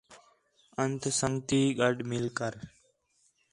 آنت سنڳتی گݙ مل کر